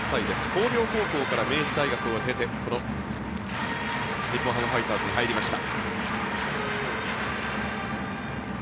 広陵高校から明治大学を経てこの日本ハムファイターズに入りました。